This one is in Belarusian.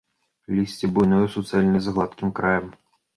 Лісце буйное, суцэльнае, з гладкім краем.